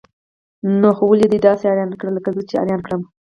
نو خولي ده داسې اریان کړه لکه زه چې اریان کړم.